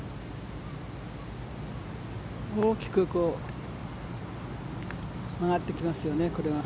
大きく曲がってきますよねこれは。